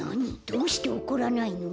どうして怒らないの？